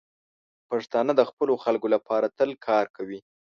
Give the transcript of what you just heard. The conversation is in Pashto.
پښتانه د خپلو خلکو لپاره تل کار کوي.